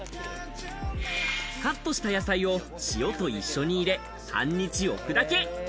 カットした野菜を塩と一緒に入れ、半日置くだけ。